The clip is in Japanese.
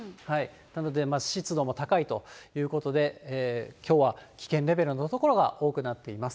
なので湿度も高いということで、きょうは危険レベルの所が多くなっています。